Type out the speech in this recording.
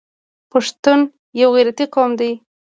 پښتون یو غیرتي قوم دی.